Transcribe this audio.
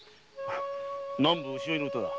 『南部牛追いの唄』だ。